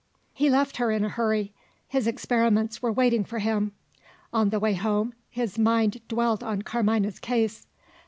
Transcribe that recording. He left her in a hurry; his experiments were waiting for him. On the way home, his mind dwelt on Carmina's case.